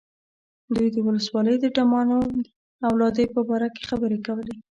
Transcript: دوی د ولسوالۍ د ډمانو د اولادې په باره کې خبرې کولې.